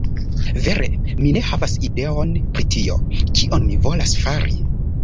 Vere, mi ne havas ideon, pri tio, kion mi volas fari.